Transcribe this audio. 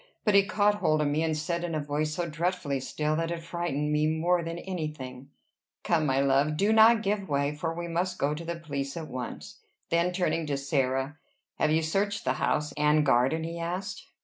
But he caught hold of me, and said, in a voice so dreadfully still that it frightened me more than any thing, "Come, my love; do not give way, for we must go to the police at once." Then, turning to Sarah, "Have you searched the house and garden?" he asked.